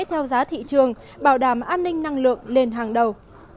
theo giá thị trường bảo đảm an ninh năng lượng lên hàng đầu